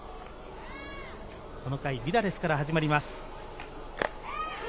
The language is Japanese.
この回、ビダレスから始まります。